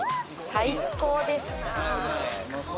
最高ですな。